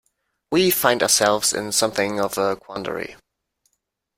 We find ourselves in something of a quandary.